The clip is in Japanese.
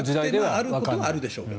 あるはあるでしょうが。